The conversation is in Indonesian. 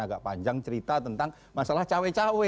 agak panjang cerita tentang masalah cowek cowek